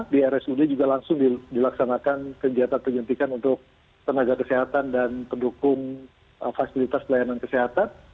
di rsud juga langsung dilaksanakan kegiatan penyuntikan untuk tenaga kesehatan dan pendukung fasilitas pelayanan kesehatan